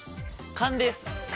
勘です。